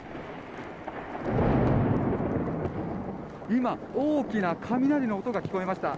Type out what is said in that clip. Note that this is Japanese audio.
今、大きな雷の音が聞こえました。